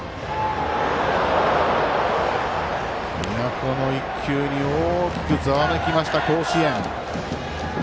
この１球に大きくざわめきました甲子園。